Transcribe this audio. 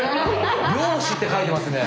「漁師」って書いてますね。